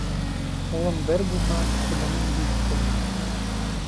Улым бер булһа, киленем биш булыр.